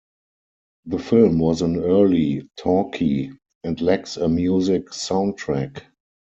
The film was an early "talkie" and lacks a music soundtrack.